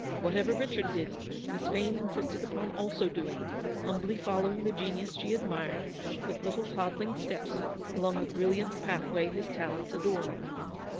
Whatever Kichard did, Miss Vane insisted upon also doing, humbly follow ing the genius she admired, with little toddling steps, along the brilliant pathway his talents adorned.